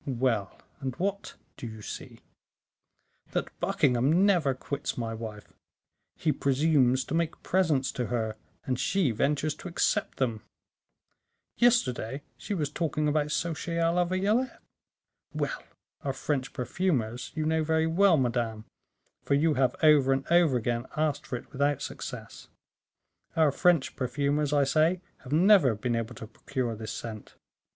"Well, and what do you see?" "That Buckingham never quits my wife. He presumes to make presents to her, and she ventures to accept them. Yesterday she was talking about sauchets a la violette; well, our French perfumers, you know very well, madame, for you have over and over again asked for it without success our French perfumers, I say, have never been able to procure this scent.